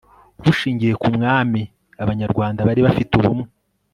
bushingiye ku mwami abanyarwanda bari bafite ubumwe